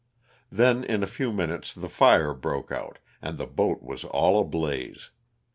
Then in a few min utes, the fire broke out, and the boat was all ablaze.